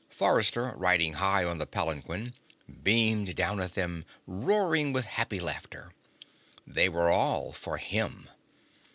Forrester, riding high on the palanquin, beamed down at them, roaring with happy laughter. They were all for him.